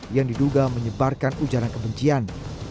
yang diduga menyebarkan ujaran kebencian